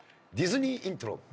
ディズニーイントロ。